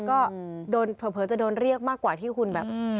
ก็โดนเผลอจะโดนเรียกมากกว่าที่คุณแบบ